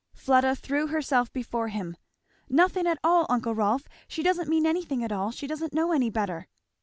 Fleda threw herself before him. "Nothing at all, uncle Rolf she doesn't mean anything at all she doesn't know any better."